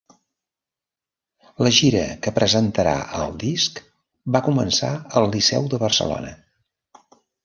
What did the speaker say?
La gira que presentarà el disc, va començar al Liceu de Barcelona.